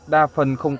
đa phần không quá nhiều